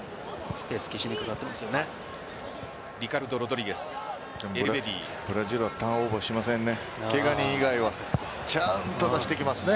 スペース消しにかかっていますよね。